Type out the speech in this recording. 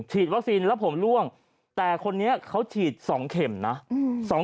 ฉีดวัคซีนแล้วผมล่วงแต่คนนี้เขาฉีด๒เข็มนะ